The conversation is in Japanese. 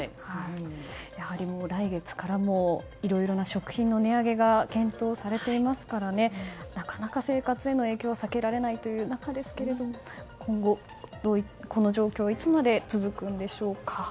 やはり来月からもいろいろな食品の値上げが検討されていますからなかなか生活への影響は避けられないという中ですがこの状況がいつまで続くんでしょうか。